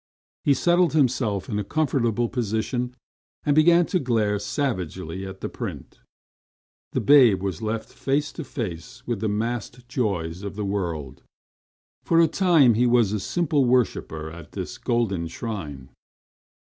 He settled himself in a comfortable position, and began to glare savagely at the print. The babe was left face to face with the massed joys of the world. For a time he was a simply worshipper at this golden shrine.